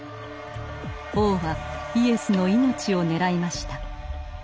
王はイエスの命を狙いました。